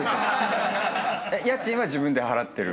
家賃は自分で払ってる？